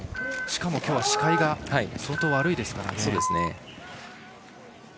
しかも、今日は視界が相当悪いですからね。